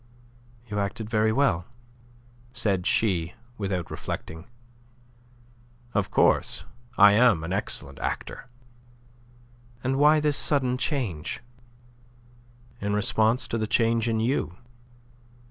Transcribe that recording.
"You acted very well," said she, without reflecting. "Of course. I am an excellent actor." "And why this sudden change?" "In response to the change in you.